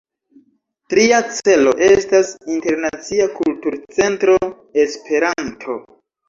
Tria celo estas Internacia Kulturcentro Esperanto.